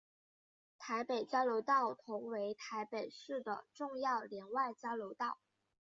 台北交流道同为台北市的重要联外交流道。